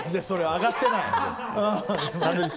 挙がってない！